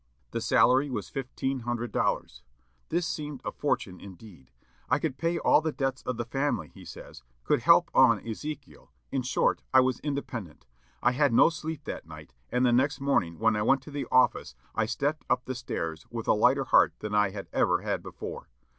The salary was fifteen hundred dollars. This seemed a fortune indeed. "I could pay all the debts of the family," he says, "could help on Ezekiel in short, I was independent. I had no sleep that night, and the next morning when I went to the office I stepped up the stairs with a lighter heart than I ever had before."